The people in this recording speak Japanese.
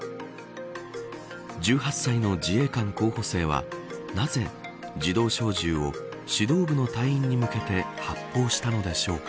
１８歳の自衛官候補生はなぜ自動小銃を指導部の隊員に向けて発砲したのでしょうか。